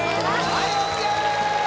はいＯＫ！